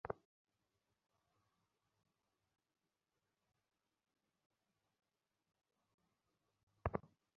আমি এখন লালমাটিয়া মহিলা কলেজে ব্যবস্থাপনা বিষয়ে স্নাতক তৃতীয় বর্ষে পড়ছি।